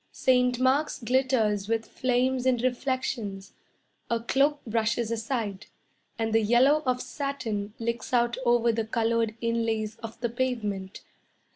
Saint Mark's glitters with flames and reflections. A cloak brushes aside, And the yellow of satin Licks out over the coloured inlays of the pavement.